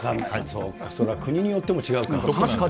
そうか、それは国によっても違うかと。